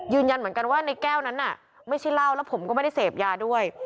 ยืนยันเหมือนกันว่าในแก้วนั้นน่ะไม่ใช่เหล้าแล้วผมก็ไม่ได้เสพยาด้วย